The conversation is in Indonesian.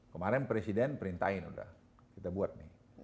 kemarin presiden perintahin udah kita buat nih